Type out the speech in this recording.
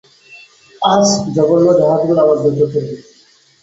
এই জঘন্য জাহাজগুলো আমার দু চোখের বিষ।